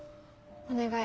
お願い。